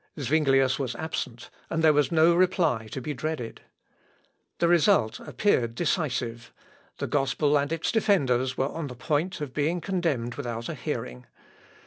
Zuinglius was absent, and there was no reply to be dreaded. The result appeared decisive. The gospel and its defenders were on the point of being condemned without a hearing.